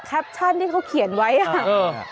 แปปชั่นที่เขาเขียนไว้อ่ะเออ